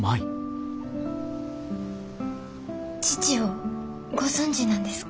父をご存じなんですか？